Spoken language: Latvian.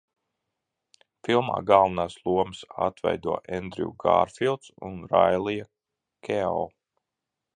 Filmā galvenās lomas atveido Endrū Gārfīlds un Railija Keo.